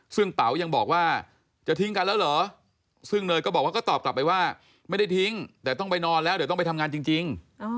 ซึ่งเป๋ายังบอกว่าจะทิ้งกันแล้วเหรอซึ่งเนยก็บอกว่าก็ตอบกลับไปว่าไม่ได้ทิ้งแต่ต้องไปนอนแล้วเดี๋ยวต้องไปทำงานจริง